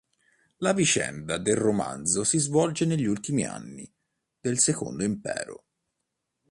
La vicenda del romanzo si svolge negli ultimi anni del Secondo Impero.